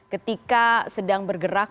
ketika sedang bergerak